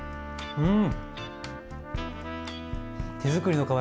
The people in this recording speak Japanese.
うん。